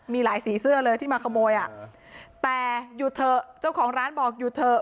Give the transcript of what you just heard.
มีหลายสีเสื้อเลยที่มาขโมยอ่ะแต่หยุดเถอะเจ้าของร้านบอกหยุดเถอะ